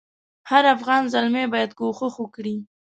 هر افغان زلمی باید کوښښ وکړي.